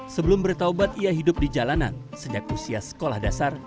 sebelum bertaubat ia hidup di jalanan sejak usia sekolah dasar